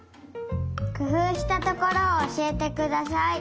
くふうしたところをおしえてください。